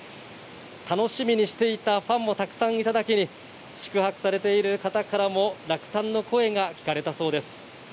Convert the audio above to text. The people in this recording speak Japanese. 楽しみにしていたファンもたくさんいただけに、宿泊されている方からも落胆の声が聞かれたそうです。